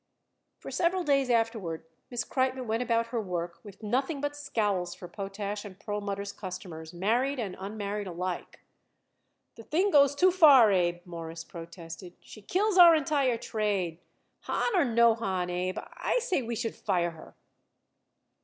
For several days afterward Miss Kreitmann went about her work with nothing but scowls for Potash & Perlmutter's customers, married and unmarried alike. "The thing goes too far, Abe," Morris protested. "She kills our entire trade. Hahn or no Hahn, Abe, I say we should fire her."